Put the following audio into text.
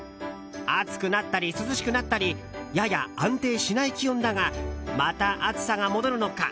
暑くなったり涼しくなったりやや安定しない気温だがまた暑さが戻るのか。